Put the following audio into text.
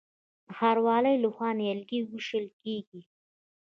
د ښاروالۍ لخوا نیالګي ویشل کیږي.